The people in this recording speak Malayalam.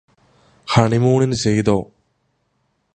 ഹണിമൂണിന് ചെയ്തോ